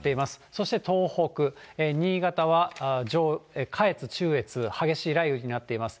そして東北、新潟は下越、中越、激しい雷雨になっています。